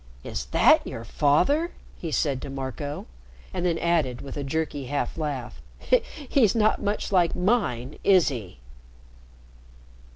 "Is that your father?" he said to Marco. And then added, with a jerky half laugh, "He's not much like mine, is he?"